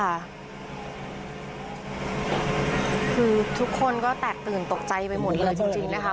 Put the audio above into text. คือทุกคนก็แตกตื่นตกใจไปหมดเลยจริงนะคะ